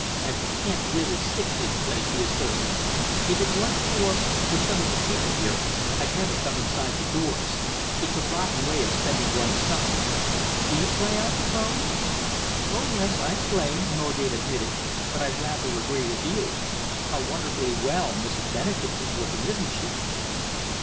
"I can't really stick this place," he asserted. "If it weren't for for some of the people here, I'd never come inside the doors. It's a rotten way of spending one's time. You play, I suppose?" "Oh, yes, I play," Norgate admitted, "but I rather agree with you. How wonderfully well Mrs. Benedek is looking, isn't she!"